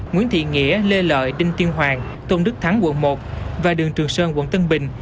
nguyễn thị nghĩa lê lợi đinh tiên hoàng tôn đức thắng quận một và đường trường sơn quận tân bình